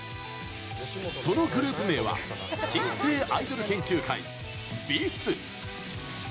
そのグループ名は新生アイドル研究会、ＢｉＳ。